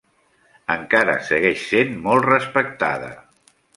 Encara segueix sent molt respectada.